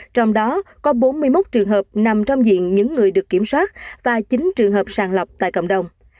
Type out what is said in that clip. trong đó có bốn mươi một trường hợp nằm trong diện những người được kiểm soát và chín trường hợp sàng lọc tại cộng đồng